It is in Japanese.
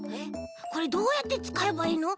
これどうやってつかえばいいの？